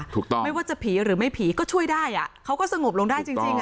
ถูกต้องไม่ว่าจะผีหรือไม่ผีก็ช่วยได้อ่ะเขาก็สงบลงได้จริงจริงอ่ะ